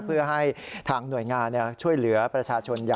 เพื่อให้ทางหน่วยงานช่วยเหลือประชาชน